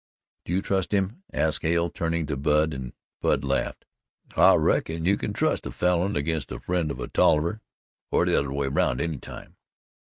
"Do you trust him?" asked Hale, turning to Budd, and Budd laughed. "I reckon you can trust a Falin against a friend of a Tolliver, or t'other way round any time."